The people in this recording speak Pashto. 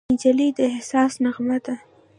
نجلۍ د احساس نغمه ده.